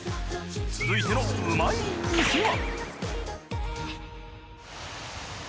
続いてのうまい店は。